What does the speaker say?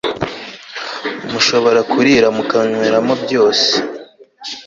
mushobora kurira mukanyweramo byose